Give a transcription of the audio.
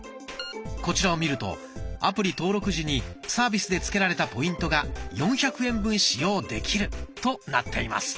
こちらを見るとアプリ登録時にサービスで付けられたポイントが４００円分使用できるとなっています。